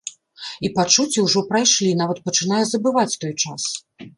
І пачуцці ўжо прайшлі, нават пачынаю забываць той час.